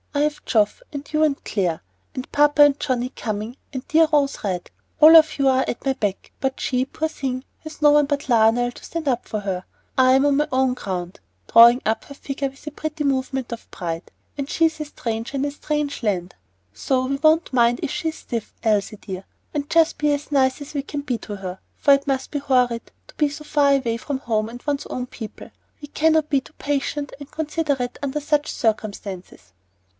I have Geoff and you and Clare, and papa and Johnnie coming, and dear Rose Red, all of you are at my back; but she, poor thing, has no one but Lionel to stand up for her. I am on my own ground," drawing up her figure with a pretty movement of pride, "and she is a stranger in a strange land. So we won't mind if she is stiff, Elsie dear, and just be as nice as we can be to her, for it must be horrid to be so far away from home and one's own people. We cannot be too patient and considerate under such circumstances."